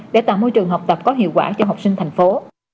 để tạo môi trường học tập có hiệu quả cho học sinh thành phố